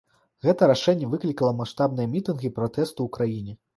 Гэта рашэнне выклікала маштабныя мітынгі пратэсту ў краіне.